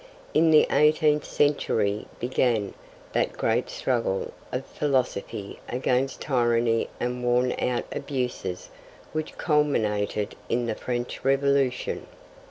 In the eighteenth century began that great struggle of philosophy against tyranny and worn out abuses which culminated in the French Revolution.